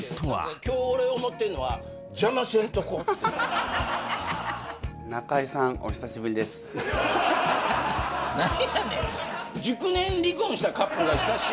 今日俺思ってんのは邪魔せんとこうって。何やねん。